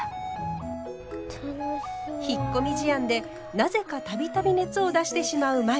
引っ込み思案でなぜか度々熱を出してしまう舞。